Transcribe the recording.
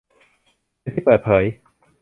เป็นที่เปิดเผย